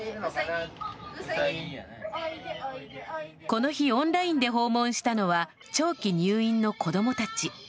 この日オンラインで訪問したのは長期入院の子供たち。